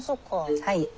はい。